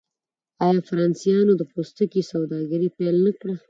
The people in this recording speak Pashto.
آیا فرانسویانو د پوستکي سوداګري پیل نه کړه؟